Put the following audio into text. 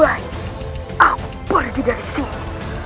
aku pergi dari sini